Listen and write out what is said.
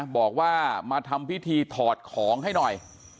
บอกว่ามาทำพิธีถอดของให้หน่อย